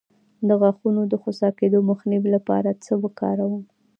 د غاښونو د خوسا کیدو مخنیوي لپاره څه وکاروم؟